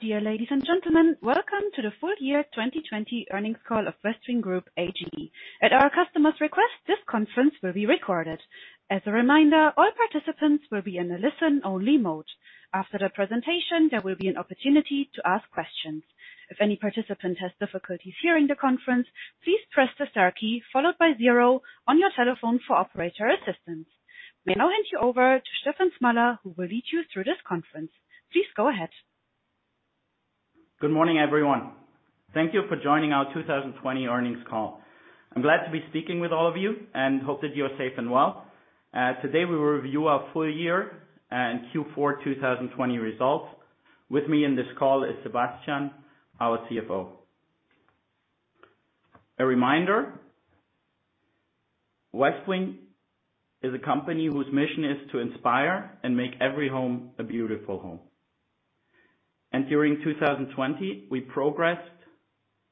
Dear ladies and gentlemen, welcome to the full year 2020 earnings call of Westwing Group SE. At our customer's request, this conference will be recorded. As a reminder, all participants will be in a listen-only mode. After the presentation, there will be an opportunity to ask questions. If any participant has difficulties hearing the conference, please press the star key followed by zero on your telephone for operator assistance. May now hand you over to Stefan Smalla, who will lead you through this conference. Please go ahead. Good morning, everyone. Thank you for joining our 2020 earnings call. I'm glad to be speaking with all of you and hope that you are safe and well. Today we will review our full year and Q4 2020 results. With me in this call is Sebastian, our CFO. A reminder, Westwing is a company whose mission is to inspire and make every home a beautiful home. During 2020, we progressed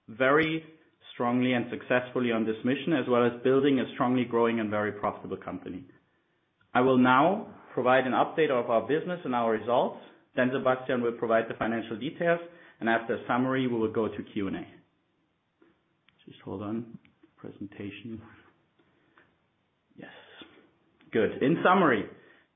very strongly and successfully on this mission, as well as building a strongly growing and very profitable company. I will now provide an update of our business and our results. Sebastian will provide the financial details, and after the summary, we will go to Q&A. Just hold on. Presentation. Yes. Good. In summary,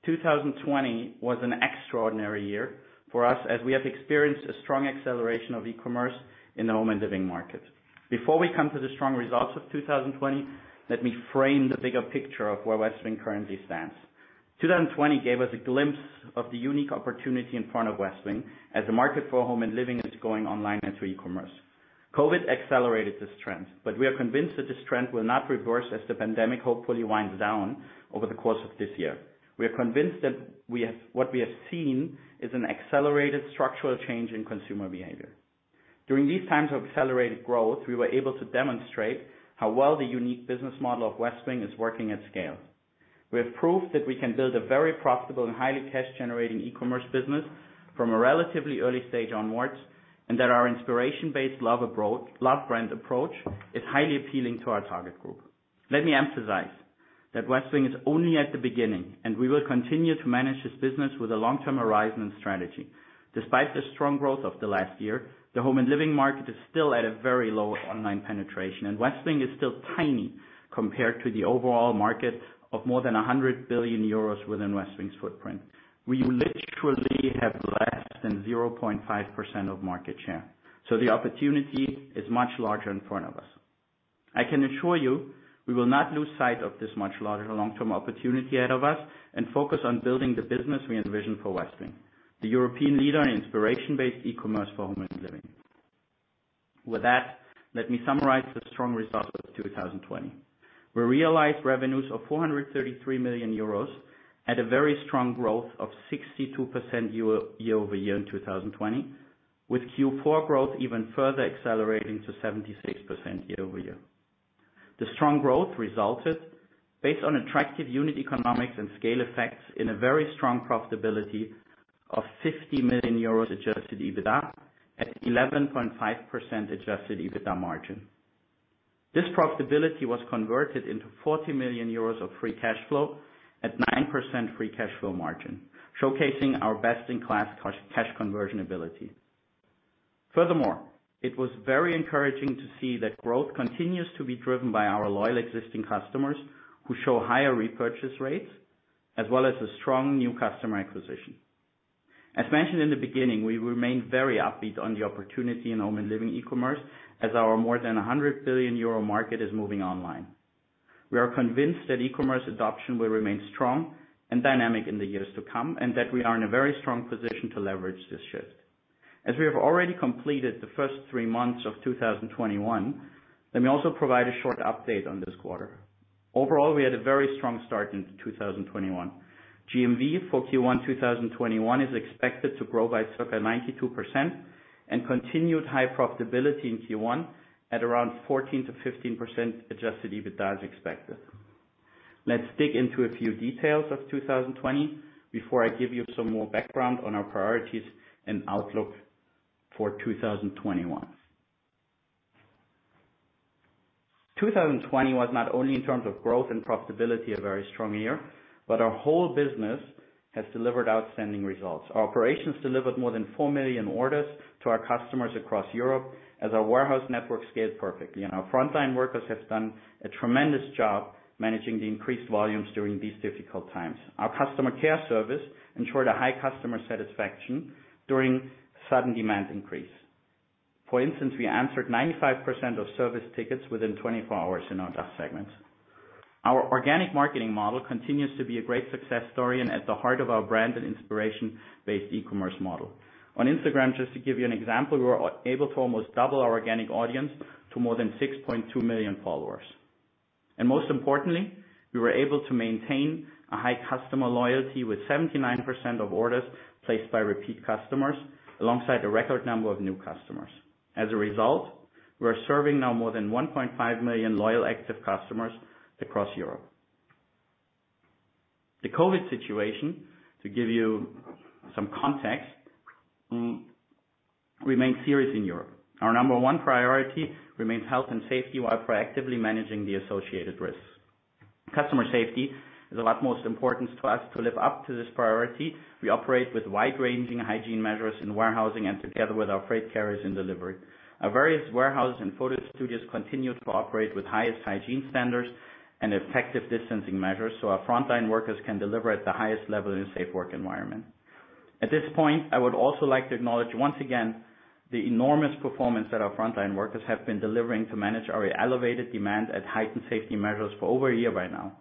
2020 was an extraordinary year for us as we have experienced a strong acceleration of e-commerce in the home and living market. Before we come to the strong results of 2020, let me frame the bigger picture of where Westwing currently stands. 2020 gave us a glimpse of the unique opportunity in front of Westwing as the market for home and living is going online and to e-commerce. COVID accelerated this trend, but we are convinced that this trend will not reverse as the pandemic hopefully winds down over the course of this year. We are convinced that what we have seen is an accelerated structural change in consumer behavior. During these times of accelerated growth, we were able to demonstrate how well the unique business model of Westwing is working at scale. We have proved that we can build a very profitable and highly cash-generating e-commerce business from a relatively early stage onwards, and that our inspiration-based love brand approach is highly appealing to our target group. Let me emphasize that Westwing is only at the beginning, and we will continue to manage this business with a long-term horizon and strategy. Despite the strong growth of the last year, the home and living market is still at a very low online penetration, and Westwing is still tiny compared to the overall market of more than 100 billion euros within Westwing's footprint. We literally have less than 0.5% of market share. The opportunity is much larger in front of us. I can assure you, we will not lose sight of this much larger long-term opportunity ahead of us and focus on building the business we envision for Westwing, the European leader in inspiration-based e-commerce for home and living. With that, let me summarize the strong results of 2020. We realized revenues of 433 million euros at a very strong growth of 62% year-over-year in 2020, with Q4 growth even further accelerating to 76% year-over-year. The strong growth resulted based on attractive unit economics and scale effects in a very strong profitability of EUR 50 million adjusted EBITDA at 11.5% adjusted EBITDA margin. This profitability was converted into 40 million euros of free cash flow at 9% free cash flow margin, showcasing our best-in-class cash conversion ability. It was very encouraging to see that growth continues to be driven by our loyal existing customers who show higher repurchase rates as well as a strong new customer acquisition. As mentioned in the beginning, we remain very upbeat on the opportunity in home and living e-commerce as our more than 100 billion euro market is moving online. We are convinced that e-commerce adoption will remain strong and dynamic in the years to come and that we are in a very strong position to leverage this shift. As we have already completed the first three months of 2021, let me also provide a short update on this quarter. Overall, we had a very strong start into 2021. GMV for Q1 2021 is expected to grow by circa 92% and continued high profitability in Q1 at around 14%-15% adjusted EBITDA, as expected. Let's dig into a few details of 2020 before I give you some more background on our priorities and outlook for 2021. 2020 was not only in terms of growth and profitability a very strong year, but our whole business has delivered outstanding results. Our operations delivered more than 4 million orders to our customers across Europe as our warehouse network scaled perfectly. Our frontline workers have done a tremendous job managing the increased volumes during these difficult times. Our customer care service ensured a high customer satisfaction during sudden demand increase. For instance, we answered 95% of service tickets within 24 hours in our DACH segment. Our organic marketing model continues to be a great success story and at the heart of our brand and inspiration-based e-commerce model. On Instagram, just to give you an example, we were able to almost double our organic audience to more than 6.2 million followers. Most importantly, we were able to maintain a high customer loyalty with 79% of orders placed by repeat customers alongside a record number of new customers. We are serving now more than 1.5 million loyal active customers across Europe. The COVID situation, to give you some context, remains serious in Europe. Our number 1 priority remains health and safety while proactively managing the associated risks. Customer safety is of utmost importance to us to live up to this priority. We operate with wide-ranging hygiene measures in warehousing and together with our freight carriers in delivery. Our various warehouses and photo studios continue to operate with highest hygiene standards and effective distancing measures, our frontline workers can deliver at the highest level in a safe work environment. At this point, I would also like to acknowledge once again, the enormous performance that our frontline workers have been delivering to manage our elevated demand at heightened safety measures for over a year right now.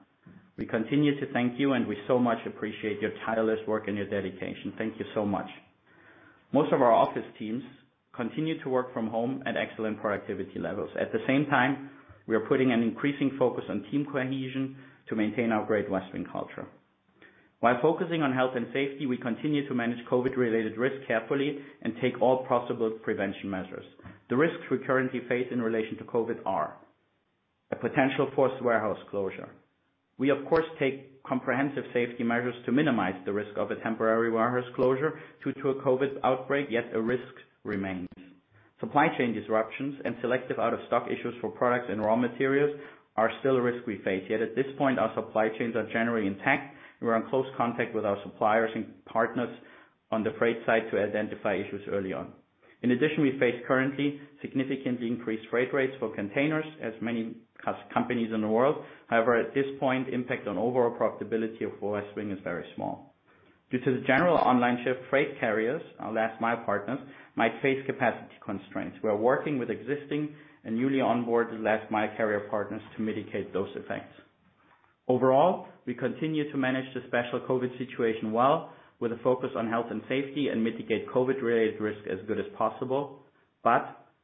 We continue to thank you, and we so much appreciate your tireless work and your dedication. Thank you so much. Most of our office teams continue to work from home at excellent productivity levels. At the same time, we are putting an increasing focus on team cohesion to maintain our great Westwing culture. While focusing on health and safety, we continue to manage COVID-related risk carefully and take all possible prevention measures. The risks we currently face in relation to COVID are: a potential forced warehouse closure. We, of course, take comprehensive safety measures to minimize the risk of a temporary warehouse closure due to a COVID outbreak, yet a risk remains. Supply chain disruptions and selective out-of-stock issues for products and raw materials are still a risk we face. At this point, our supply chains are generally intact, and we're in close contact with our suppliers and partners on the freight side to identify issues early on. In addition, we face currently significantly increased freight rates for containers as many companies in the world. At this point, impact on overall profitability of Westwing is very small. Due to the general online shift, freight carriers, our Last mile partners, might face capacity constraints. We are working with existing and newly onboarded Last mile carrier partners to mitigate those effects. Overall, we continue to manage the special COVID situation well with a focus on health and safety and mitigate COVID-related risk as good as possible.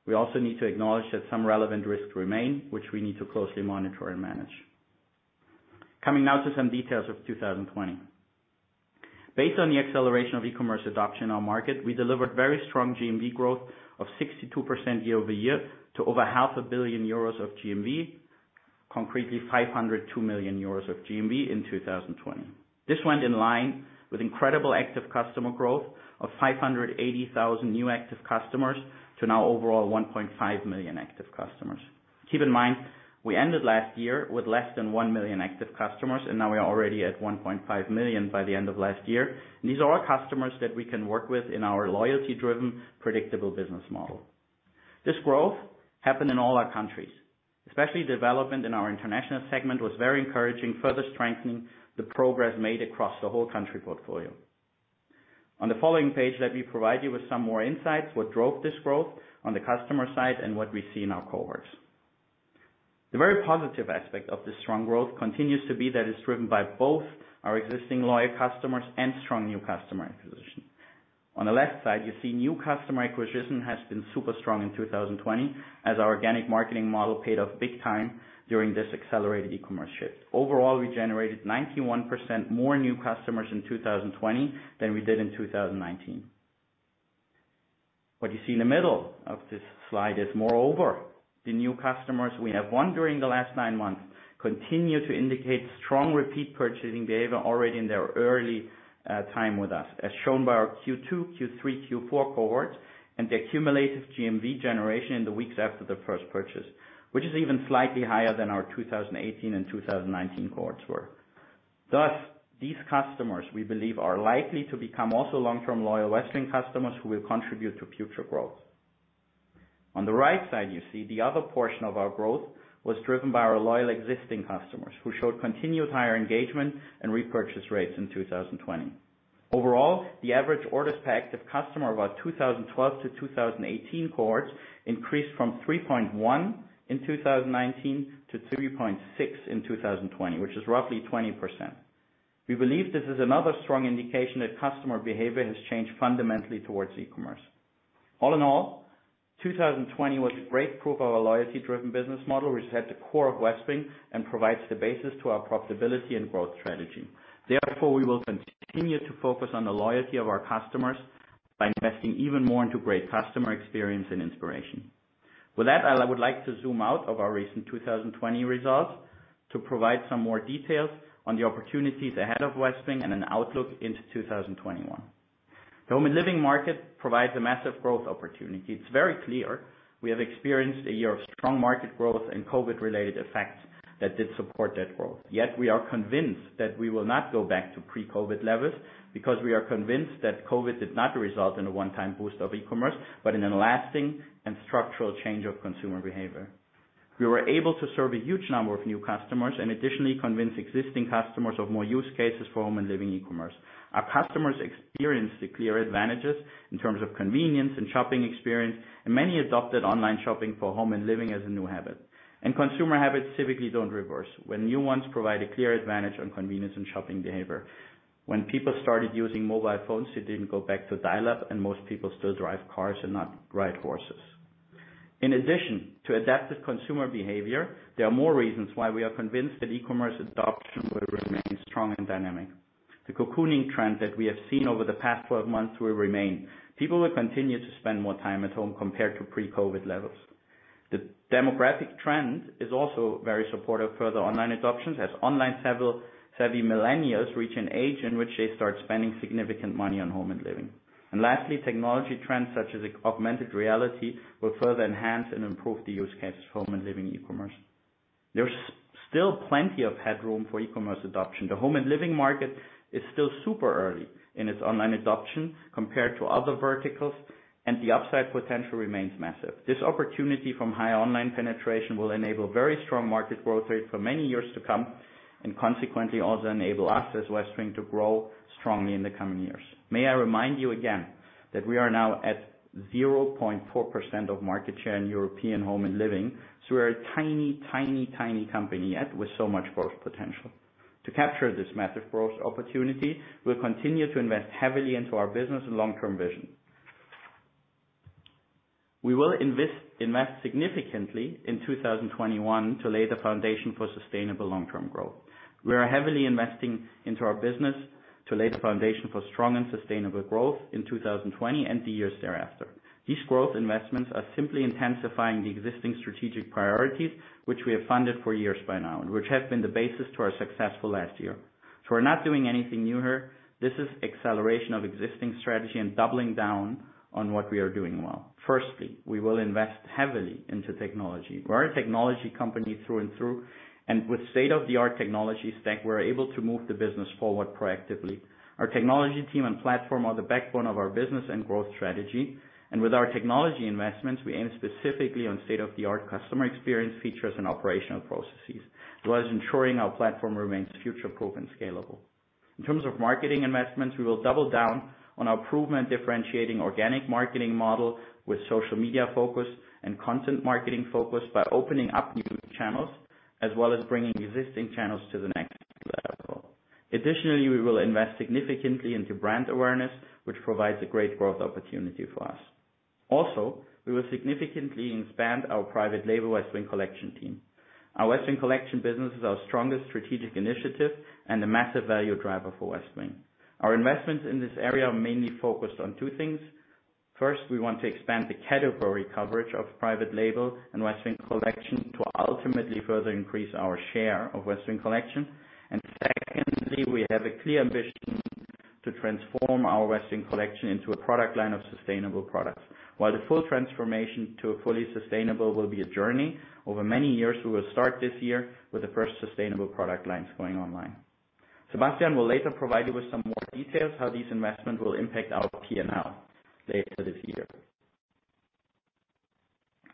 We also need to acknowledge that some relevant risks remain, which we need to closely monitor and manage. Coming now to some details of 2020. Based on the acceleration of e-commerce adoption in our market, we delivered very strong GMV growth of 62% year-over-year to over half a billion EUR of GMV, concretely 502 million euros of GMV in 2020. This went in line with incredible active customer growth of 580,000 new active customers to now overall 1.5 million active customers. Keep in mind, we ended last year with less than 1 million active customers. Now we are already at 1.5 million by the end of last year. These are all customers that we can work with in our loyalty-driven, predictable business model. This growth happened in all our countries, especially development in our international segment was very encouraging, further strengthening the progress made across the whole country portfolio. On the following page, let me provide you with some more insights, what drove this growth on the customer side and what we see in our cohorts. The very positive aspect of this strong growth continues to be that it's driven by both our existing loyal customers and strong new customer acquisition. On the left side, you see new customer acquisition has been super strong in 2020 as our organic marketing model paid off big time during this accelerated e-commerce shift. Overall, we generated 91% more new customers in 2020 than we did in 2019. What you see in the middle of this slide is moreover, the new customers we have won during the last nine months continue to indicate strong repeat purchasing behavior already in their early time with us, as shown by our Q2, Q3, Q4 cohorts and the cumulative GMV generation in the weeks after the first purchase, which is even slightly higher than our 2018 and 2019 cohorts were. These customers, we believe, are likely to become also long-term loyal Westwing customers who will contribute to future growth. On the right side, you see the other portion of our growth was driven by our loyal existing customers who showed continued higher engagement and repurchase rates in 2020. Overall, the average orders per active customer of our 2012 to 2018 cohorts increased from 3.1 in 2019 to 3.6 in 2020, which is roughly 20%. We believe this is another strong indication that customer behavior has changed fundamentally towards e-commerce. All in all, 2020 was a great proof of our loyalty-driven business model, which is at the core of Westwing and provides the basis to our profitability and growth strategy. Therefore, we will continue to focus on the loyalty of our customers by investing even more into great customer experience and inspiration. With that, I would like to zoom out of our recent 2020 results to provide some more details on the opportunities ahead of Westwing and an outlook into 2021. The home and living market provides a massive growth opportunity. It's very clear we have experienced a year of strong market growth and COVID-related effects that did support that growth. Yet we are convinced that we will not go back to pre-COVID levels because we are convinced that COVID did not result in a one-time boost of e-commerce, but in a lasting and structural change of consumer behavior. We were able to serve a huge number of new customers and additionally convince existing customers of more use cases for home and living e-commerce. Our customers experienced the clear advantages in terms of convenience and shopping experience, and many adopted online shopping for home and living as a new habit. Consumer habits typically don't reverse when new ones provide a clear advantage on convenience and shopping behavior. When people started using mobile phones, they didn't go back to dial-up and most people still drive cars and not ride horses. In addition to adaptive consumer behavior, there are more reasons why we are convinced that e-commerce adoption will remain strong and dynamic. The cocooning trend that we have seen over the past 12 months will remain. People will continue to spend more time at home compared to pre-COVID levels. The demographic trend is also very supportive further online adoptions as online-savvy millennials reach an age in which they start spending significant money on home and living. Lastly, technology trends such as augmented reality will further enhance and improve the use cases home and living e-commerce. There's still plenty of headroom for e-commerce adoption. The home and living market is still super early in its online adoption compared to other verticals, and the upside potential remains massive. This opportunity from high online penetration will enable very strong market growth rates for many years to come, and consequently also enable us as Westwing to grow strongly in the coming years. May I remind you again that we are now at 0.4% of market share in European home and living. We're a tiny company, yet with so much growth potential. To capture this massive growth opportunity, we'll continue to invest heavily into our business and long-term vision. We will invest significantly in 2021 to lay the foundation for sustainable long-term growth. We are heavily investing into our business to lay the foundation for strong and sustainable growth in 2020 and the years thereafter. These growth investments are simply intensifying the existing strategic priorities, which we have funded for years by now, and which have been the basis to our successful last year. We are not doing anything new here. This is acceleration of existing strategy and doubling down on what we are doing well. Firstly, we will invest heavily into technology. We're a technology company through and through, and with state-of-the-art technology stack, we're able to move the business forward proactively. Our technology team and platform are the backbone of our business and growth strategy. With our technology investments, we aim specifically on state-of-the-art customer experience features and operational processes, as well as ensuring our platform remains future-proven scalable. In terms of marketing investments, we will double down on our proven differentiating organic marketing model with social media focus and content marketing focus by opening up new channels, as well as bringing existing channels to the next level. Additionally, we will invest significantly into brand awareness, which provides a great growth opportunity for us. Also, we will significantly expand our private label Westwing Collection team. Our Westwing Collection business is our strongest strategic initiative and a massive value driver for Westwing. Our investments in this area are mainly focused on two things. First, we want to expand the category coverage of private label and Westwing Collection to ultimately further increase our share of Westwing Collection. Secondly, we have a clear ambition to transform our Westwing Collection into a product line of sustainable products. While the full transformation to a fully sustainable will be a journey over many years, we will start this year with the first sustainable product lines going online. Sebastian will later provide you with some more details how these investments will impact our P&L later this year.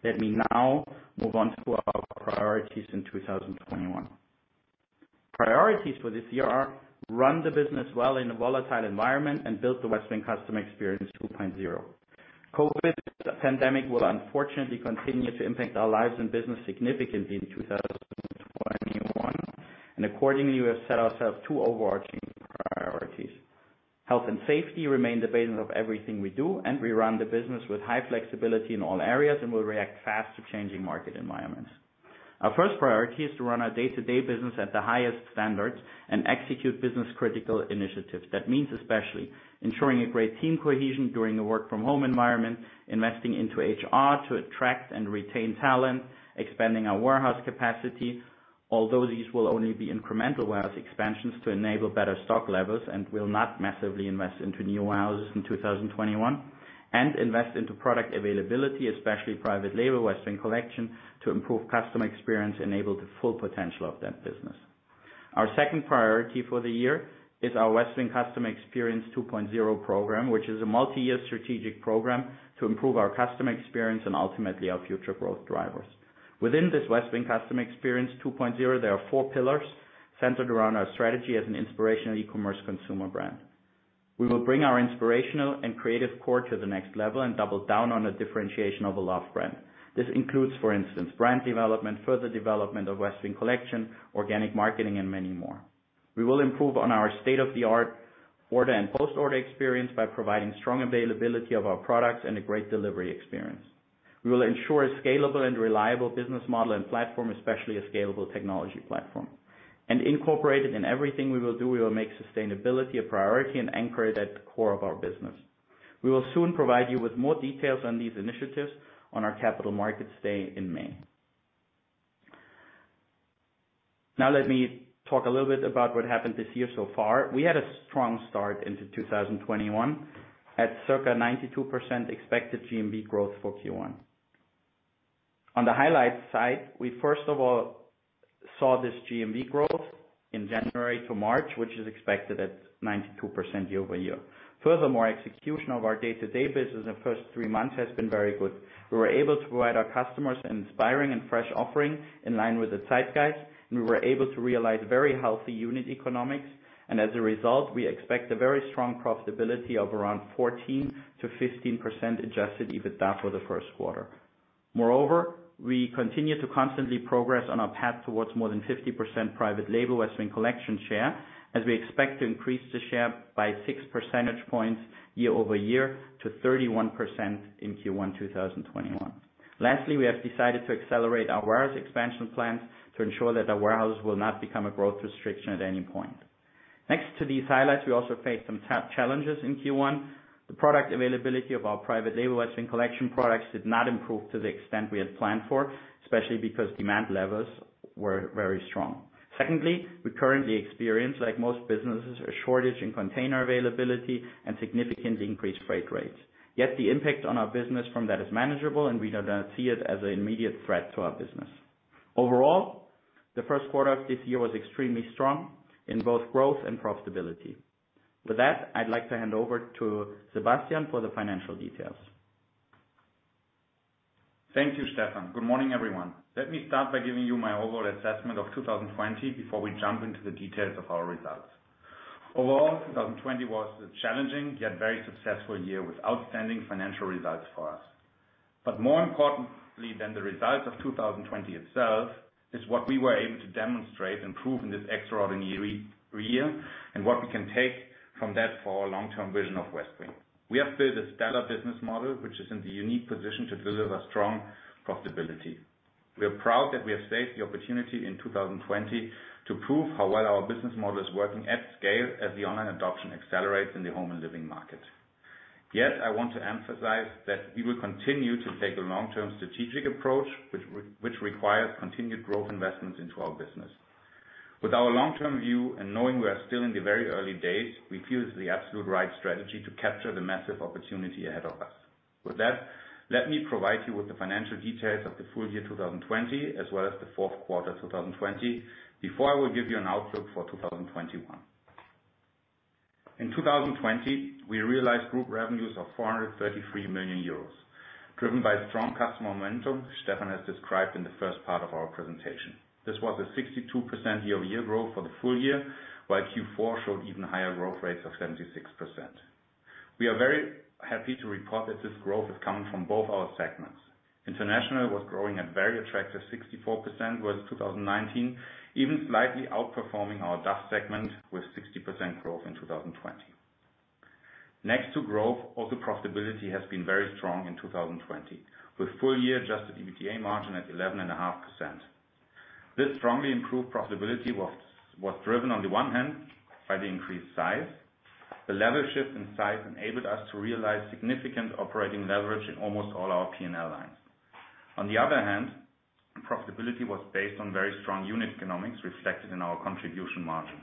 Let me now move on to our priorities in 2021. Priorities for this year are run the business well in a volatile environment and build the Westwing Customer Experience 2.0. COVID pandemic will unfortunately continue to impact our lives and business significantly in 2021. Accordingly, we have set ourselves two overarching priorities. Health and safety remain the basis of everything we do. We run the business with high flexibility in all areas and will react fast to changing market environments. Our first priority is to run our day-to-day business at the highest standards and execute business critical initiatives. That means especially ensuring a great team cohesion during a work from home environment, investing into HR to attract and retain talent, expanding our warehouse capacity, although these will only be incremental warehouse expansions to enable better stock levels and will not massively invest into new warehouses in 2021, and invest into product availability, especially private label Westwing Collection, to improve customer experience, enable the full potential of that business. Our second priority for the year is our Westwing Customer Experience 2.0 program, which is a multi-year strategic program to improve our customer experience and ultimately our future growth drivers. Within this Westwing Customer Experience 2.0, there are four pillars centered around our strategy as an inspirational e-commerce consumer brand. We will bring our inspirational and creative core to the next level and double down on the differentiation of a loved brand. This includes, for instance, brand development, further development of Westwing Collection, organic marketing, and many more. We will improve on our state-of-the-art order and post-order experience by providing strong availability of our products and a great delivery experience. We will ensure a scalable and reliable business model and platform, especially a scalable technology platform. Incorporated in everything we will do, we will make sustainability a priority and anchor it at the core of our business. We will soon provide you with more details on these initiatives on our Capital Markets Day in May. Let me talk a little bit about what happened this year so far. We had a strong start into 2021 at circa 92% expected GMV growth for Q1. On the highlights side, we first of all saw this GMV growth in January to March, which is expected at 92% year-over-year. Furthermore, execution of our day-to-day business in the first three months has been very good. We were able to provide our customers an inspiring and fresh offering in line with the Zeitgeist. We were able to realize very healthy unit economics. As a result, we expect a very strong profitability of around 14%-15% adjusted EBITDA for the first quarter. Moreover, we continue to constantly progress on our path towards more than 50% private label Westwing Collection share as we expect to increase the share by six percentage points year-over-year to 31% in Q1 2021. Lastly, we have decided to accelerate our warehouse expansion plans to ensure that our warehouse will not become a growth restriction at any point. Next to these highlights, we also faced some challenges in Q1. The product availability of our private label Westwing Collection products did not improve to the extent we had planned for, especially because demand levels were very strong. Secondly, we currently experience, like most businesses, a shortage in container availability and significantly increased freight rates. Yet the impact on our business from that is manageable, and we do not see it as an immediate threat to our business. Overall, the first quarter of this year was extremely strong in both growth and profitability. With that, I'd like to hand over to Sebastian for the financial details. Thank you, Stefan. Good morning, everyone. Let me start by giving you my overall assessment of 2020 before we jump into the details of our results. Overall, 2020 was a challenging, yet very successful year with outstanding financial results for us. More importantly than the results of 2020 itself is what we were able to demonstrate and prove in this extraordinary year and what we can take from that for our long-term vision of Westwing. We have built a stellar business model which is in the unique position to deliver strong profitability. We are proud that we have seized the opportunity in 2020 to prove how well our business model is working at scale as the online adoption accelerates in the home and living market. I want to emphasize that we will continue to take a long-term strategic approach, which requires continued growth investments into our business. With our long-term view and knowing we are still in the very early days, we feel it's the absolute right strategy to capture the massive opportunity ahead of us. With that, let me provide you with the financial details of the full year 2020 as well as the fourth quarter 2020 before I will give you an outlook for 2021. In 2020, we realized group revenues of 433 million euros, driven by strong customer momentum Stefan has described in the first part of our presentation. This was a 62% year-over-year growth for the full year, while Q4 showed even higher growth rates of 76%. We are very happy to report that this growth is coming from both our segments. International was growing at a very attractive 64% versus 2019, even slightly outperforming our DACH segment with 16% growth in 2020. Next to growth, also profitability has been very strong in 2020, with full year adjusted EBITDA margin at 11.5%. This strongly improved profitability was driven on the one hand by the increased size. The level shift in size enabled us to realize significant operating leverage in almost all our P&L lines. On the other hand, profitability was based on very strong unit economics reflected in our contribution margin.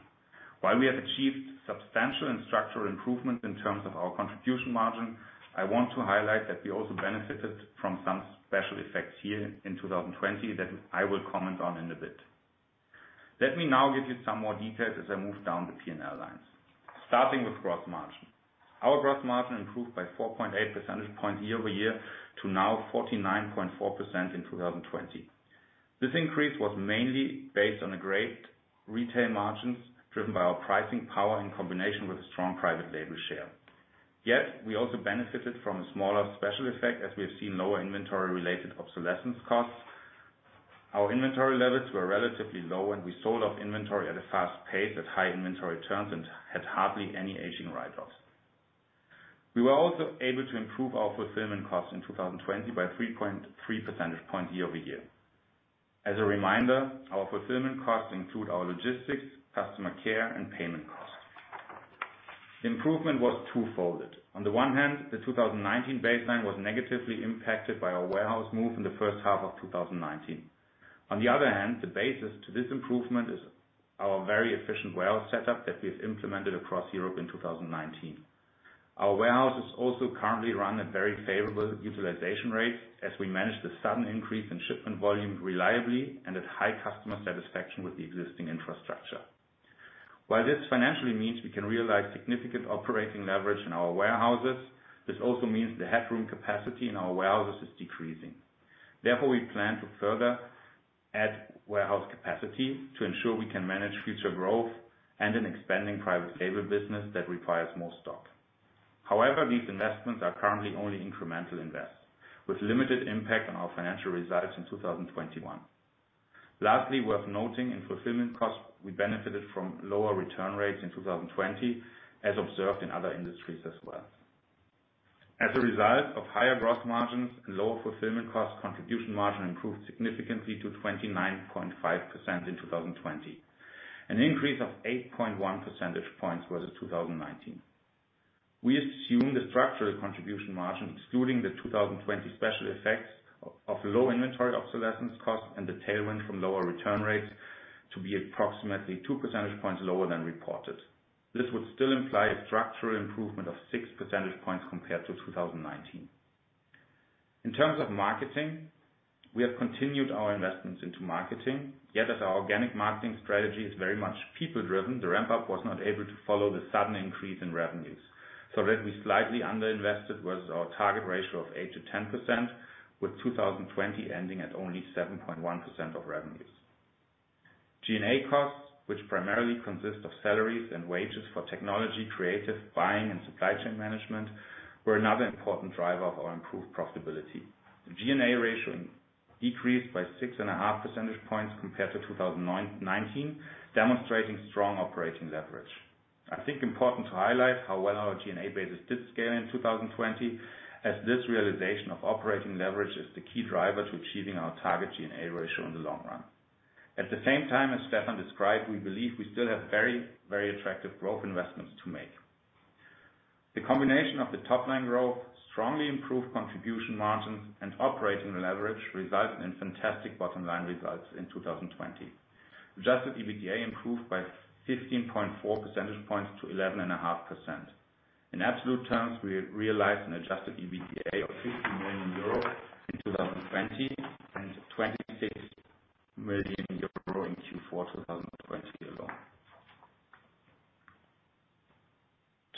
While we have achieved substantial and structural improvements in terms of our contribution margin, I want to highlight that we also benefited from some special effects here in 2020 that I will comment on in a bit. Let me now give you some more details as I move down the P&L lines. Starting with gross margin. Our gross margin improved by 4.8 percentage points year-over-year to now 49.4% in 2020. This increase was mainly based on great retail margins driven by our pricing power in combination with a strong private label share. Yet, we also benefited from a smaller special effect as we have seen lower inventory related obsolescence costs. Our inventory levels were relatively low, and we sold off inventory at a fast pace at high inventory turns and had hardly any aging write-offs. We were also able to improve our fulfillment costs in 2020 by 3.3 percentage points year-over-year. As a reminder, our fulfillment costs include our logistics, customer care, and payment costs. Improvement was two-folded. On the one hand, the 2019 baseline was negatively impacted by our warehouse move in the first half of 2019. On the other hand, the basis to this improvement is our very efficient warehouse setup that we've implemented across Europe in 2019. Our warehouse is also currently run at very favorable utilization rates as we manage the sudden increase in shipment volume reliably and at high customer satisfaction with the existing infrastructure. While this financially means we can realize significant operating leverage in our warehouses, this also means the headroom capacity in our warehouses is decreasing. Therefore, we plan to further add warehouse capacity to ensure we can manage future growth and an expanding private label business that requires more stock. However, these investments are currently only incremental invests with limited impact on our financial results in 2021. Lastly, worth noting in fulfillment costs, we benefited from lower return rates in 2020, as observed in other industries as well. As a result of higher gross margins and lower fulfillment costs, contribution margin improved significantly to 29.5% in 2020, an increase of 8.1 percentage points versus 2019. We assume the structural contribution margin, excluding the 2020 special effects of low inventory obsolescence costs and the tailwind from lower return rates to be approximately two percentage points lower than reported. This would still imply a structural improvement of six percentage points compared to 2019. In terms of marketing, we have continued our investments into marketing, yet as our organic marketing strategy is very much people-driven, the ramp-up was not able to follow the sudden increase in revenues, so that we slightly underinvested versus our target ratio of 8%-10%, with 2020 ending at only 7.1% of revenues. G&A costs, which primarily consist of salaries and wages for technology, creative, buying, and supply chain management, were another important driver of our improved profitability. The G&A ratio decreased by 6.5 percentage points compared to 2019, demonstrating strong operating leverage. I think important to highlight how well our G&A base did scale in 2020, as this realization of operating leverage is the key driver to achieving our target G&A ratio in the long run. At the same time, as Stefan described, we believe we still have very attractive growth investments to make. The combination of the top-line growth, strongly improved contribution margins, and operating leverage resulted in fantastic bottom-line results in 2020. Adjusted EBITDA improved by 15.4 percentage points to 11.5%. In absolute terms, we realized an adjusted EBITDA of 50 million euros in 2020 and 26 million in Q4 2020 alone.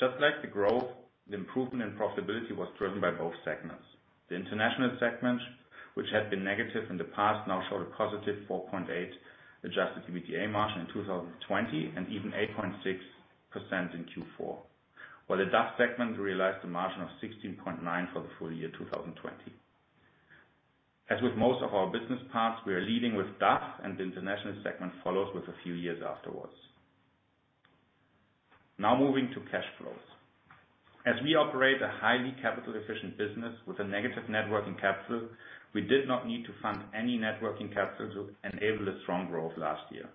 Just like the growth, the improvement in profitability was driven by both segments. The international segment, which had been negative in the past, now showed a positive 4.8 adjusted EBITDA margin in 2020, and even 8.6% in Q4. While the DACH segment realized a margin of 16.9% for the full year 2020. As with most of our business parts, we are leading with DACH, and the international segment follows with a few years afterwards. Now moving to cash flows. As we operate a highly capital-efficient business with a negative net working capital, we did not need to fund any net working capital to enable the strong growth last year.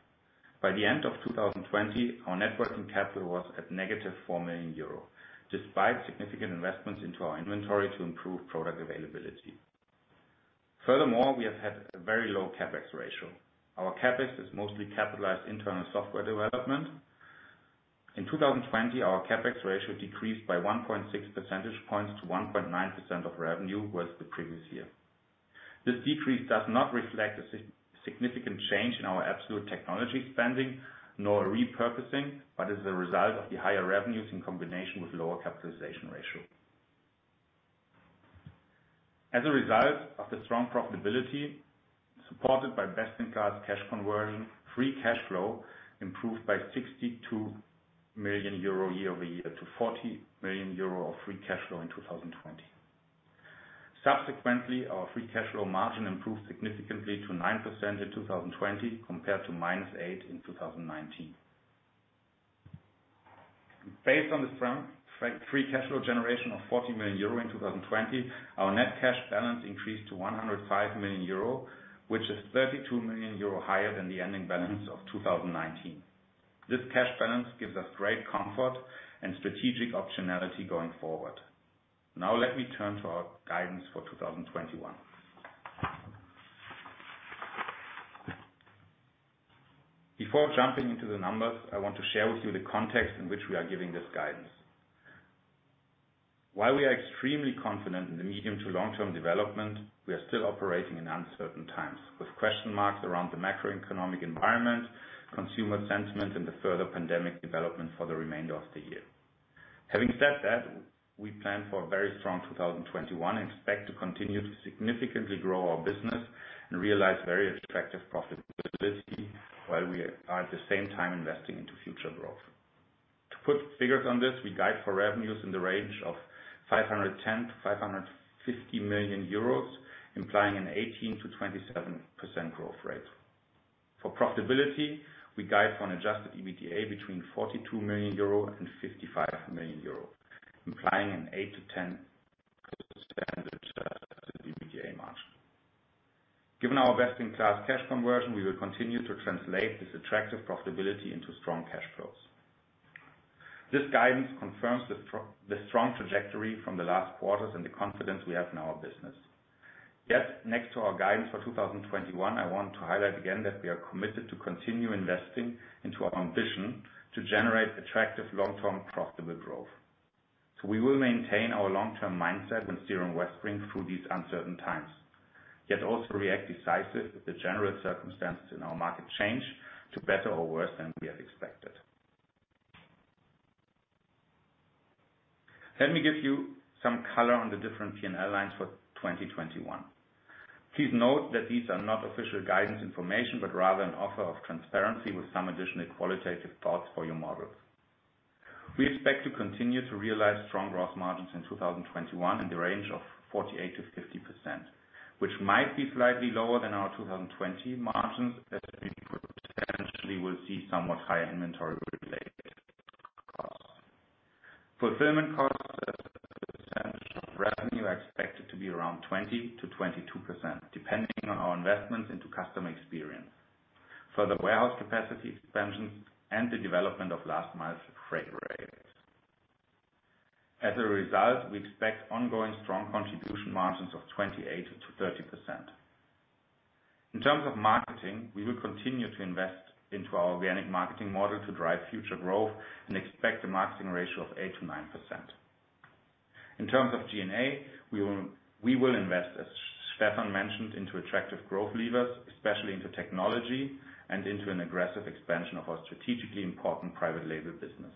By the end of 2020, our net working capital was at negative 4 million euro, despite significant investments into our inventory to improve product availability. Furthermore, we have had a very low CapEx ratio. Our CapEx is mostly capitalized internal software development. In 2020, our CapEx ratio decreased by 1.6 percentage points to 1.9% of revenue versus the previous year. This decrease does not reflect a significant change in our absolute technology spending, nor a repurposing, but is a result of the higher revenues in combination with lower capitalization ratio. As a result of the strong profitability, supported by best-in-class cash conversion, free cash flow improved by 62 million euro year-over-year to 40 million euro of free cash flow in 2020. Subsequently, our free cash flow margin improved significantly to 9% in 2020 compared to -8% in 2019. Based on the free cash flow generation of 40 million euro in 2020, our net cash balance increased to 105 million euro, which is 32 million euro higher than the ending balance of 2019. This cash balance gives us great comfort and strategic optionality going forward. Now let me turn to our guidance for 2021. Before jumping into the numbers, I want to share with you the context in which we are giving this guidance. While we are extremely confident in the medium to long-term development, we are still operating in uncertain times, with question marks around the macroeconomic environment, consumer sentiment, and the further pandemic development for the remainder of the year. Having said that, we plan for a very strong 2021 and expect to continue to significantly grow our business and realize very attractive profitability, while we are at the same time investing into future growth. To put figures on this, we guide for revenues in the range of 510 million-550 million euros, implying an 18%-27% growth rate. For profitability, we guide for an adjusted EBITDA between 42 million euro and 55 million euro, implying an 8%-10% standard adjusted EBITDA margin. Given our best-in-class cash conversion, we will continue to translate this attractive profitability into strong cash flows. This guidance confirms the strong trajectory from the last quarters and the confidence we have in our business. Yet, next to our guidance for 2021, I want to highlight again that we are committed to continue investing into our ambition to generate attractive long-term profitable growth. We will maintain our long-term mindset when steering Westwing through these uncertain times, yet also react decisive if the general circumstances in our market change to better or worse than we have expected. Let me give you some color on the different P&L lines for 2021. Please note that these are not official guidance information, but rather an offer of transparency with some additional qualitative thoughts for your models. We expect to continue to realize strong growth margins in 2021 in the range of 48%-50%, which might be slightly lower than our 2020 margins as we potentially will see somewhat higher inventory-related costs. Fulfillment costs as a percentage of revenue are expected to be around 20%-22%, depending on our investments into customer experience, further warehouse capacity expansions, and the development of Last mile freight rates. As a result, we expect ongoing strong contribution margins of 28%-30%. In terms of marketing, we will continue to invest into our organic marketing model to drive future growth and expect a marketing ratio of 8%-9%. In terms of G&A, we will invest, as Stefan mentioned, into attractive growth levers, especially into technology and into an aggressive expansion of our strategically important private label business.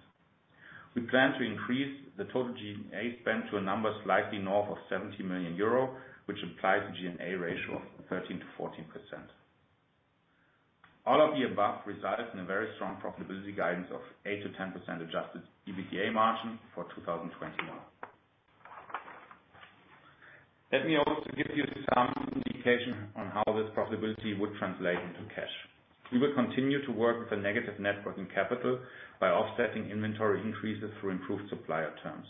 We plan to increase the total G&A spend to a number slightly north of 70 million euro, which implies a G&A ratio of 13%-14%. All of the above resulted in a very strong profitability guidance of 8%-10% adjusted EBITDA margin for 2021. Let me also give you some indication on how this profitability would translate into cash. We will continue to work with a negative net working capital by offsetting inventory increases through improved supplier terms.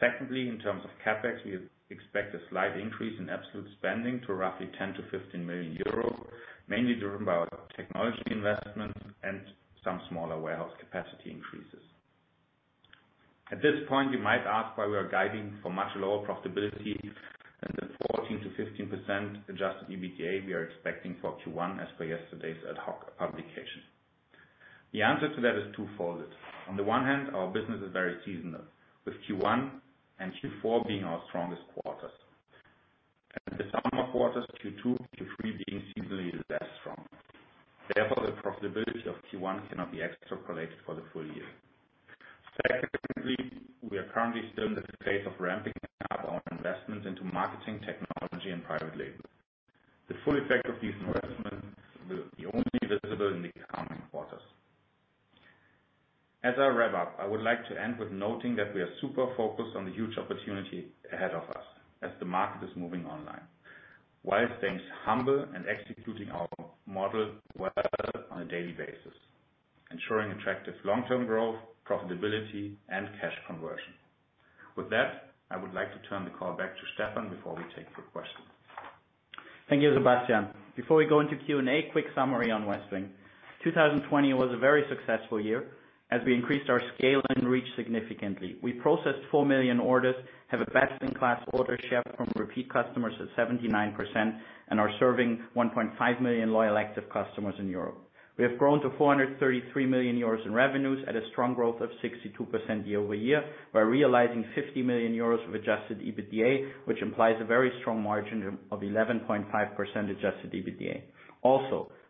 Secondly, in terms of CapEx, we expect a slight increase in absolute spending to roughly 10 million-15 million euro, mainly driven by our technology investments and some smaller warehouse capacity increases. At this point, you might ask why we are guiding for much lower profitability than the 14%-15% adjusted EBITDA we are expecting for Q1 as per yesterday's ad hoc publication. The answer to that is twofold. On the one hand, our business is very seasonal, with Q1 and Q4 being our strongest quarters, and the summer quarters, Q2, Q3, being seasonally less strong. Therefore, the profitability of Q1 cannot be extrapolated for the full year. Secondly, we are currently still in the phase of ramping up our investments into marketing, technology and private label. The full effect of these investments will be only visible in the coming quarters. As I wrap up, I would like to end with noting that we are super focused on the huge opportunity ahead of us as the market is moving online, while staying humble and executing our model well on a daily basis, ensuring attractive long-term growth, profitability and cash conversion. With that, I would like to turn the call back to Stefan before we take the questions. Thank you, Sebastian. Before we go into Q&A, quick summary on Westwing. 2020 was a very successful year as we increased our scale and reach significantly. We processed 4 million orders, have a best-in-class order share from repeat customers at 79%, and are serving 1.5 million loyal active customers in Europe. We have grown to €433 million in revenues at a strong growth of 62% year-over-year. We're realizing €50 million of adjusted EBITDA, which implies a very strong margin of 11.5% adjusted EBITDA.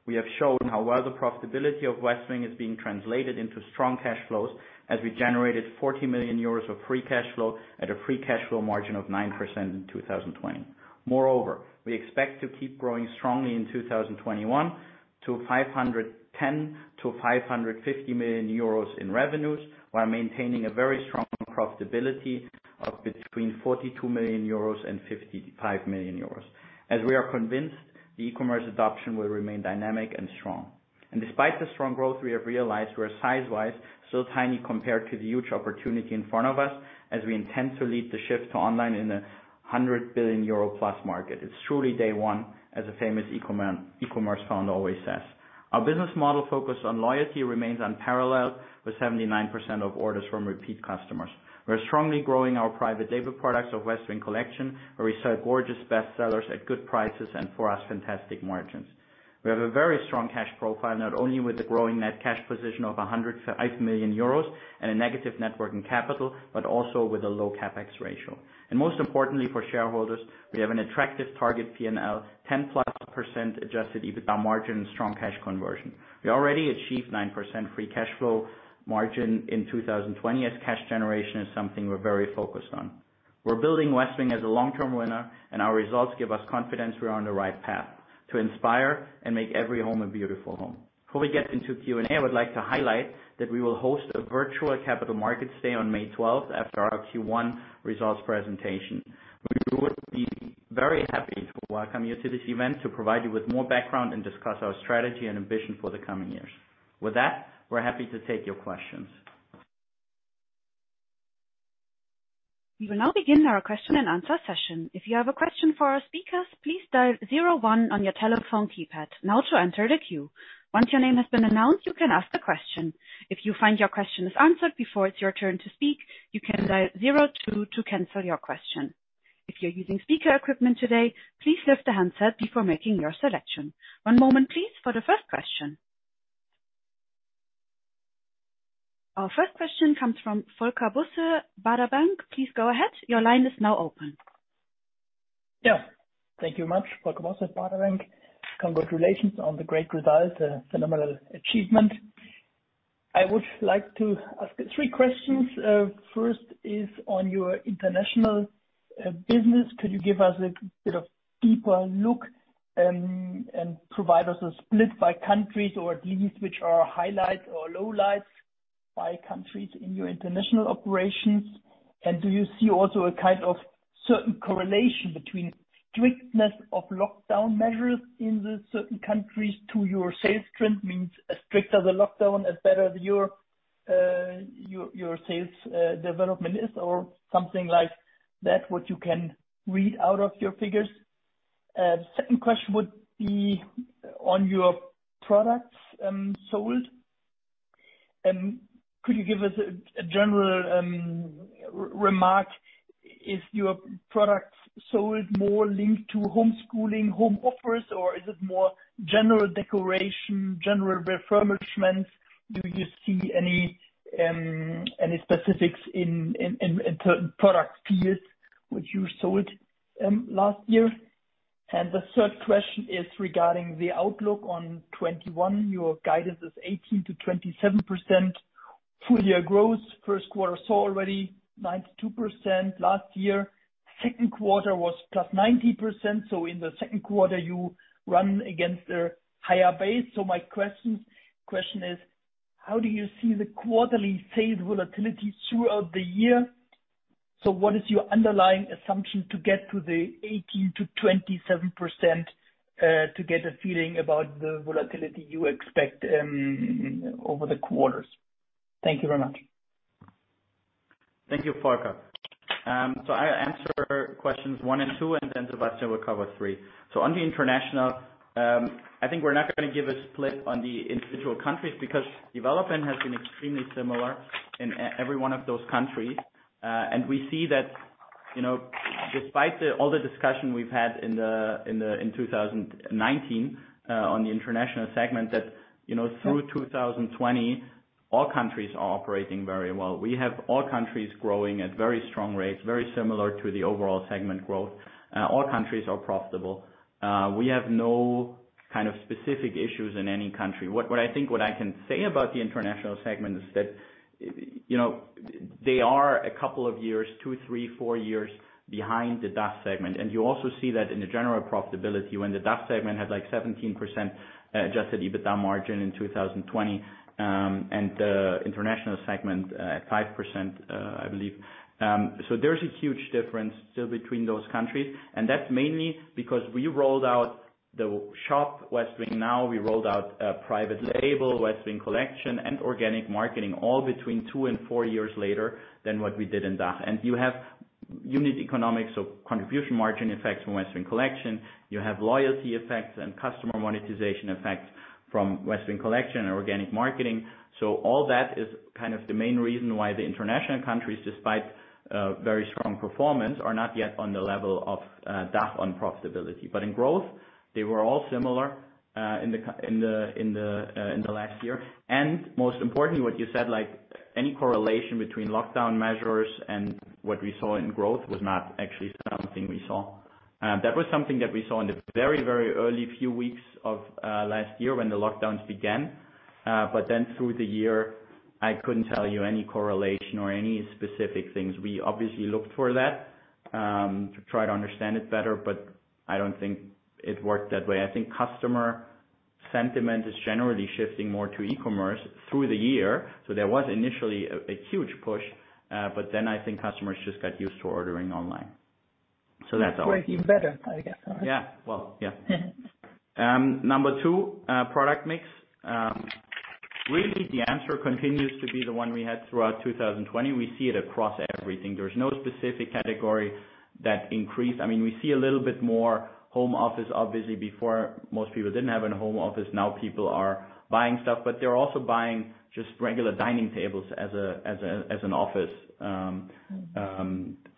We have shown how well the profitability of Westwing is being translated into strong cash flows, as we generated €40 million of free cash flow at a free cash flow margin of 9% in 2020. We expect to keep growing strongly in 2021 to €510 million-€550 million in revenues while maintaining a very strong profitability of between €42 million and €55 million. We are convinced the e-commerce adoption will remain dynamic and strong. Despite the strong growth we have realized, we are size-wise still tiny compared to the huge opportunity in front of us as we intend to lead the shift to online in the 100 billion euro-plus market. It's truly day one as a famous e-commerce founder always says. Our business model focused on loyalty remains unparalleled with 79% of orders from repeat customers. We're strongly growing our private label products of Westwing Collection, where we sell gorgeous bestsellers at good prices and for us, fantastic margins. We have a very strong cash profile, not only with the growing net cash position of 105 million euros and a negative net working capital, but also with a low CapEx ratio. Most importantly for shareholders, we have an attractive target P&L 10-plus% adjusted EBITDA margin and strong cash conversion. We already achieved 9% free cash flow margin in 2020 as cash generation is something we're very focused on. We're building Westwing as a long-term winner and our results give us confidence we're on the right path to inspire and make every home a beautiful home. Before we get into Q&A, I would like to highlight that we will host a virtual Capital Markets Day on May 12th after our Q1 results presentation. We would be very happy to welcome you to this event to provide you with more background and discuss our strategy and ambition for the coming years. With that, we're happy to take your questions. We will now begin our question and answer session. If you have a question for our speakers, please dial zero one on your telephone keypad now to enter the queue. Once your name has been announced, you can ask the question. If you find your question is answered before it's your turn to speak, you can dial zero two to cancel your question. If you're using speaker equipment today, please lift the handset before making your selection. One moment please for the first question. Our first question comes from Volker Bosse, Baader Bank. Please go ahead. Your line is now open. Thank you very much. Volker Bosse, Baader Bank. Congratulations on the great result, a phenomenal achievement. I would like to ask three questions. First is on your international business. Could you give us a bit of deeper look and provide us a split by countries or at least which are highlights or lowlights by countries in your international operations? Do you see also a kind of certain correlation between strictness of lockdown measures in the certain countries to your sales trend means as strict as the lockdown, as better your sales development is or something like that, what you can read out of your figures? Second question would be on your products sold. Could you give us a general remark, is your products sold more linked to homeschooling, home office or is it more general decoration, general refurbishment? Do you see any specifics in certain product peers which you sold last year? The third question is regarding the outlook on 2021. Your guidance is 18%-27% full year growth. First quarter saw already 92%. Last year second quarter was +90%. In the second quarter you run against a higher base. My question is, how do you see the quarterly sales volatility throughout the year? What is your underlying assumption to get to the 18%-27%, to get a feeling about the volatility you expect over the quarters? Thank you very much. Thank you, Volker. I answer questions one and two, then Sebastian will cover three. On the international, I think we're not going to give a split on the individual countries because development has been extremely similar in every one of those countries. We see that despite all the discussion we've had in 2019 on the international segment, that through 2020, all countries are operating very well. We have all countries growing at very strong rates, very similar to the overall segment growth. All countries are profitable. We have no kind of specific issues in any country. What I can say about the international segment is that they are a couple of years, two, three, four years behind the DACH segment. You also see that in the general profitability when the DACH segment had 17% adjusted EBITDA margin in 2020, and the international segment at 5%, I believe. There's a huge difference still between those countries, and that's mainly because we rolled out the shop WestwingNow. We rolled out a private label, Westwing Collection, and organic marketing all between two and four years later than what we did in DACH. You have unit economics, so contribution margin effects from Westwing Collection. You have loyalty effects and customer monetization effects from Westwing Collection and organic marketing. All that is kind of the main reason why the international countries, despite very strong performance, are not yet on the level of DACH on profitability. In growth, they were all similar in the last year. Most importantly, what you said, any correlation between lockdown measures and what we saw in growth was not actually something we saw. That was something that we saw in the very, very early few weeks of last year when the lockdowns began. Through the year, I couldn't tell you any correlation or any specific things. We obviously looked for that, to try to understand it better, but I don't think it worked that way. I think customer sentiment is generally shifting more to e-commerce through the year. There was initially a huge push, but then I think customers just got used to ordering online. That's all. Working better, I guess. Well, yeah. Number two, product mix. The answer continues to be the one we had throughout 2020. We see it across everything. There's no specific category that increased. We see a little bit more home office. Before, most people didn't have a home office. Now people are buying stuff. They're also buying just regular dining tables as an office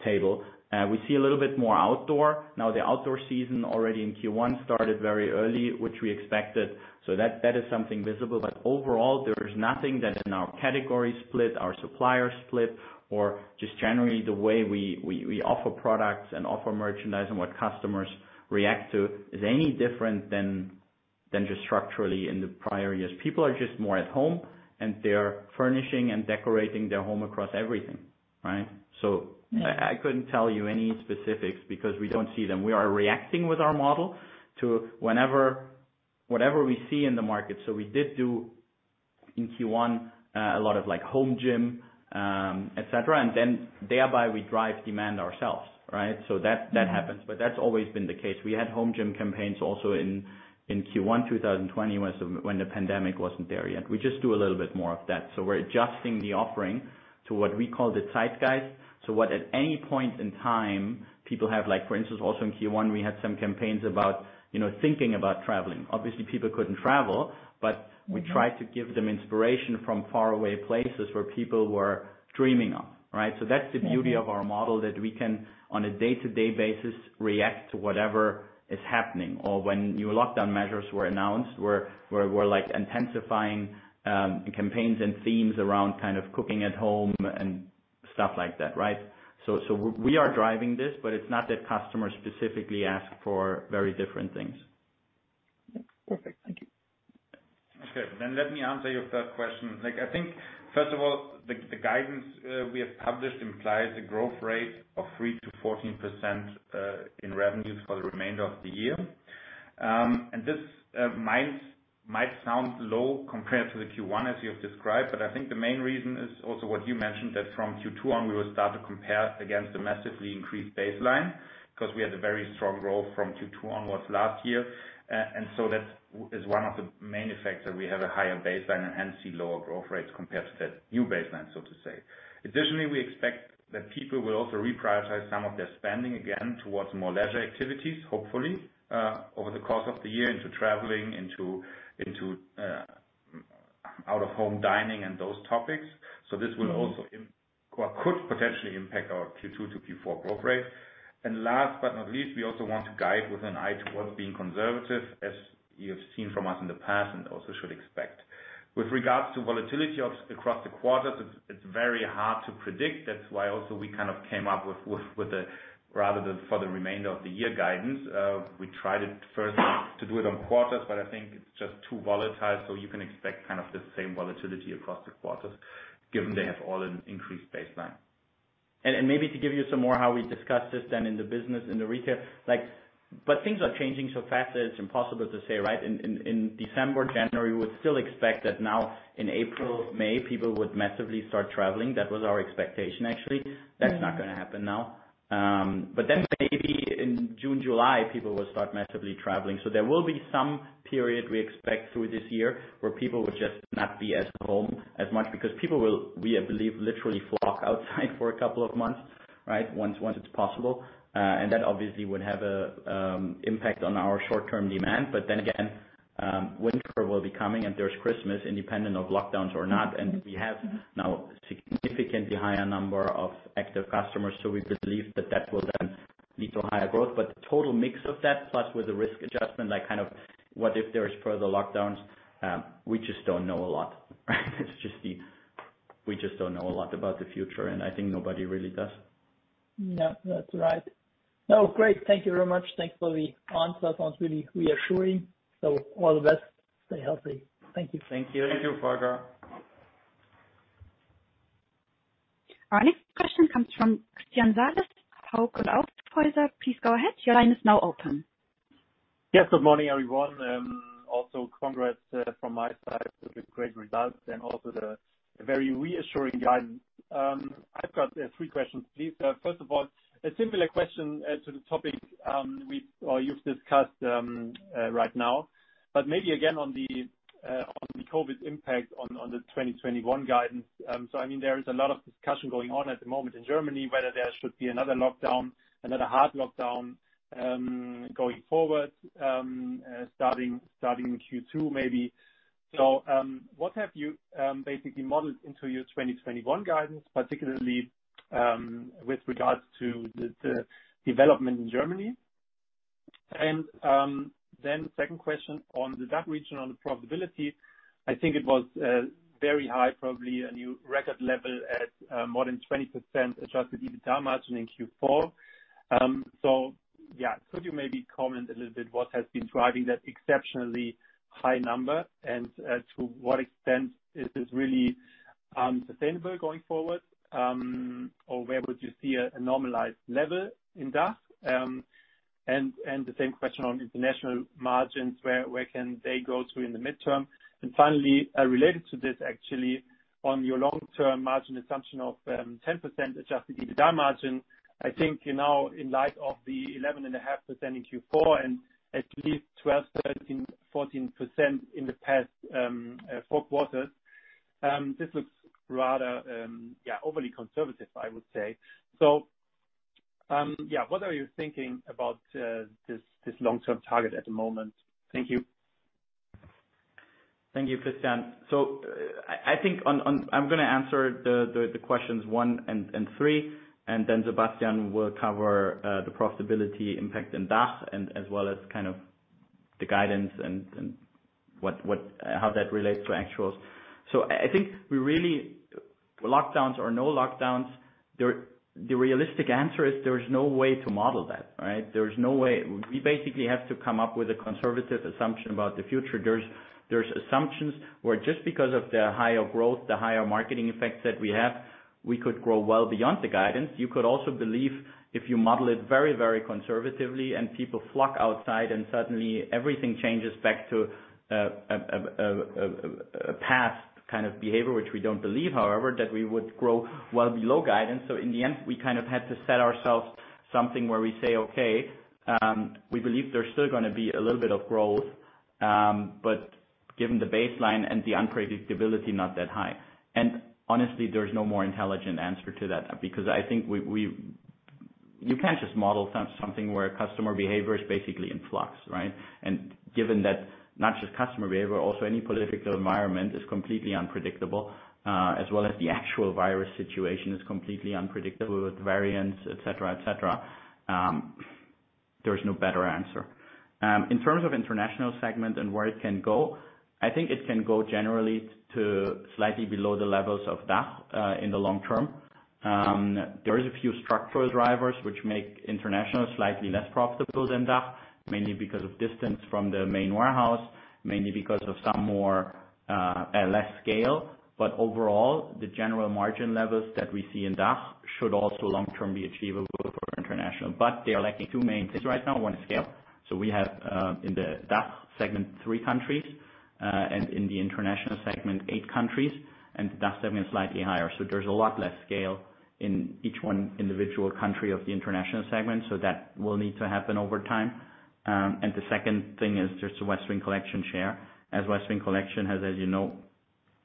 table. We see a little bit more outdoor. The outdoor season already in Q1 started very early, which we expected. That is something visible. Overall, there is nothing that in our category split, our supplier split, or just generally the way we offer products and offer merchandise and what customers react to is any different than just structurally in the prior years. People are just more at home and they're furnishing and decorating their home across everything. I couldn't tell you any specifics because we don't see them. We are reacting with our model to whatever we see in the market. We did do in Q1, a lot of home gym, et cetera, thereby we drive demand ourselves. That happens, but that's always been the case. We had home gym campaigns also in Q1 2020 when the pandemic wasn't there yet. We just do a little bit more of that. We're adjusting the offering to what we call the Zeitgeist. What at any point in time, people have, for instance, also in Q1, we had some campaigns about thinking about traveling. Obviously, people couldn't travel, but we tried to give them inspiration from faraway places where people were dreaming of. That's the beauty of our model, that we can, on a day-to-day basis, react to whatever is happening. When new lockdown measures were announced, we're intensifying campaigns and themes around kind of cooking at home and stuff like that. We are driving this, but it's not that customers specifically ask for very different things. Perfect. Thank you. Okay. Let me answer your third question. I think, first of all, the guidance we have published implies a growth rate of 3% to 14% in revenues for the remainder of the year. This might sound low compared to the Q1 as you have described, but I think the main reason is also what you mentioned, that from Q2 on, we will start to compare against the massively increased baseline, because we had a very strong growth from Q2 onwards last year. That is one of the main effects, that we have a higher baseline and hence the lower growth rates compared to that new baseline, so to say. Additionally, we expect that people will also reprioritize some of their spending again towards more leisure activities, hopefully, over the course of the year into traveling, into out-of-home dining and those topics. This could potentially impact our Q2 to Q4 growth rate. Last but not least, we also want to guide with an eye towards being conservative, as you have seen from us in the past and also should expect. With regards to volatility across the quarters, it's very hard to predict. That's why also we kind of came up with, rather for the remainder of the year guidance. We tried it first to do it on quarters, but I think it's just too volatile. You can expect kind of the same volatility across the quarters given they have all an increased baseline. Maybe to give you some more how we discussed this then in the business, in the retail. Things are changing so fast that it's impossible to say, right? In December, January, we would still expect that now in April, May, people would massively start traveling. That was our expectation, actually. That's not going to happen now. Maybe in June, July, people will start massively traveling. There will be some period we expect through this year where people will just not be at home as much because people will, we believe, literally flock outside for a couple of months, once it's possible. That obviously would have an impact on our short-term demand. Winter will be coming and there's Christmas independent of lockdowns or not. We have now significantly higher number of active customers. We believe that that will then lead to higher growth. The total mix of that, plus with the risk adjustment, what if there's further lockdowns? We just don't know a lot about the future, and I think nobody really does. Yeah, that's right. No, great. Thank you very much. Thanks for the answer. That was really reassuring. All the best. Stay healthy. Thank you. Thank you. Thank you, Volker. Our next question comes from Christian Salis, Hauck & Aufhäuser. Please go ahead. Your line is now open. Yes. Good morning, everyone. Also, congrats from my side for the great results and also the very reassuring guidance. I've got three questions, please. First of all, a similar question to the topic you've discussed right now, but maybe again on the COVID impact on the 2021 guidance. There is a lot of discussion going on at the moment in Germany, whether there should be another hard lockdown going forward, starting Q2 maybe. What have you basically modeled into your 2021 guidance, particularly with regards to the development in Germany? Second question on the DACH region, on the profitability. I think it was very high, probably a new record level at more than 20% adjusted EBITDA margin in Q4. Yeah, could you maybe comment a little bit what has been driving that exceptionally high number and to what extent is this really sustainable going forward? Where would you see a normalized level in DACH? The same question on international margins, where can they go to in the midterm? Finally, related to this actually, on your long-term margin assumption of 10% adjusted EBITDA margin, I think now in light of the 11.5% in Q4 and at least 12%, 13%, 14% in the past four quarters, this looks rather overly conservative, I would say. What are you thinking about this long-term target at the moment? Thank you. Thank you, Christian. I think I'm going to answer the questions one and three, Sebastian will cover the profitability impact in DACH and as well as the guidance and how that relates to actuals. I think with lockdowns or no lockdowns, the realistic answer is there's no way to model that. There's no way. We basically have to come up with a conservative assumption about the future. There's assumptions where just because of the higher growth, the higher marketing effects that we have, we could grow well beyond the guidance. You could also believe if you model it very conservatively and people flock outside and suddenly everything changes back to a past kind of behavior, which we don't believe, however, that we would grow well below guidance. In the end, we had to set ourselves something where we say, okay, we believe there's still going to be a little bit of growth, but given the baseline and the unpredictability, not that high. Honestly, there's no more intelligent answer to that because I think you can't just model something where customer behavior is basically in flux, right? Given that not just customer behavior, also any political environment is completely unpredictable, as well as the actual virus situation is completely unpredictable with variants, et cetera. There's no better answer. In terms of international segment and where it can go, I think it can go generally to slightly below the levels of DACH, in the long term. There is a few structural drivers which make international slightly less profitable than DACH, mainly because of distance from the main warehouse, mainly because of some more, less scale. Overall, the general margin levels that we see in DACH should also long-term be achievable for International. There are likely two main things right now. One is scale. We have, in the DACH segment, three countries, and in the International segment, eight countries, and the DACH segment is slightly higher. There's a lot less scale in each one individual country of the International segment. That will need to happen over time. The second thing is just the Westwing Collection share. As Westwing Collection has, as you know,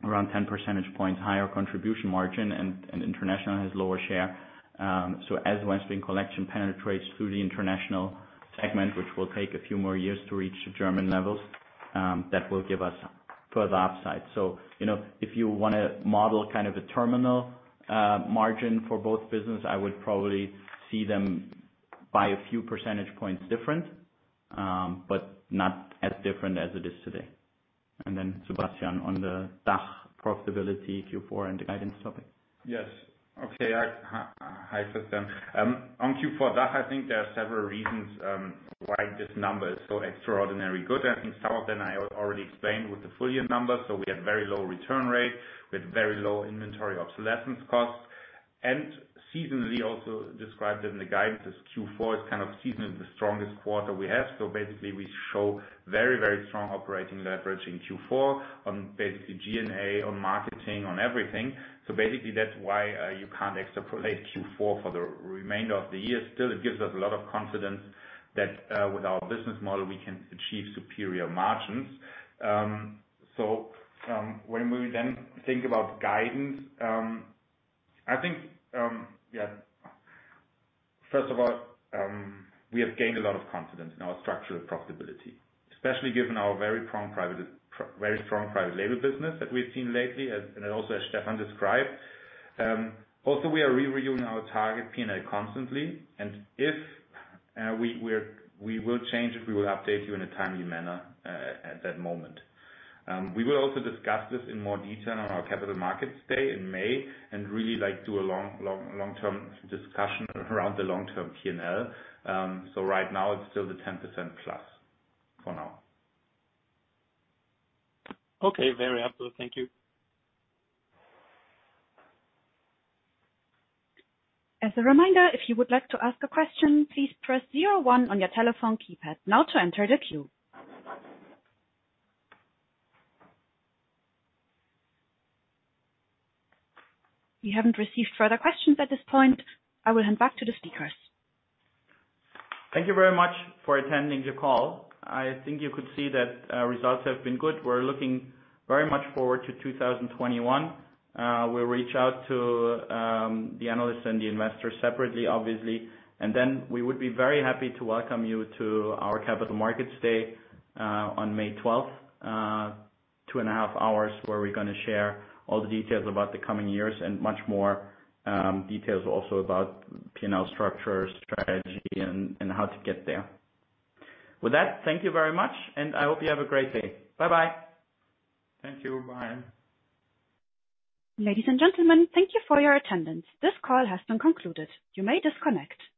around 10 percentage points higher contribution margin and International has lower share. As Westwing Collection penetrates through the International segment, which will take a few more years to reach the German levels, that will give us further upside. If you want to model a terminal margin for both business, I would probably see them by a few percentage points different, but not as different as it is today. Then Sebastian on the DACH profitability Q4 and the guidance topic. Yes. Okay. Hi, Christian. On Q4 DACH, I think there are several reasons why this number is so extraordinarily good. I think some of them I already explained with the full year numbers. We had very low return rate with very low inventory obsolescence costs. Seasonally also described it in the guidance as Q4 is kind of seasonally the strongest quarter we have. Basically we show very, very strong operating leverage in Q4 on basically G&A, on marketing, on everything. Basically that's why you can't extrapolate Q4 for the remainder of the year. Still, it gives us a lot of confidence that with our business model, we can achieve superior margins. When we then think about guidance, I think, first of all, we have gained a lot of confidence in our structural profitability, especially given our very strong private label business that we've seen lately and also as Stefan described. We are reviewing our target P&L constantly, and if we will change it, we will update you in a timely manner at that moment. We will also discuss this in more detail on our Capital Markets Day in May and really do a long-term discussion around the long-term P&L. Right now it's still the 10% plus for now. Okay, very helpful. Thank you. As a reminder, if you would like to ask a question, please press zero one on your telephone keypad now to enter the queue. We haven't received further questions at this point. I will hand back to the speakers. Thank you very much for attending the call. I think you could see that results have been good. We're looking very much forward to 2021. We'll reach out to the analysts and the investors separately, obviously, and then we would be very happy to welcome you to our Capital Markets Day on May 12th. Two and a half hours, where we're going to share all the details about the coming years and much more, details also about P&L structure, strategy, and how to get there. With that, thank you very much, and I hope you have a great day. Bye-bye. Thank you. Bye. Ladies and gentlemen, thank you for your attendance. This call has been concluded. You may disconnect.